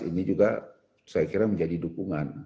ini juga saya kira menjadi dukungan